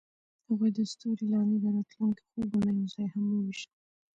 هغوی د ستوري لاندې د راتلونکي خوبونه یوځای هم وویشل.